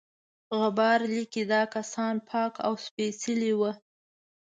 غبار لیکي دا کسان پاک او سپیڅلي وه.